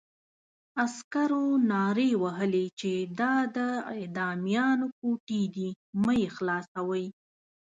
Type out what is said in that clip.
عسکرو نارې وهلې چې دا د اعدامیانو کوټې دي مه یې خلاصوئ.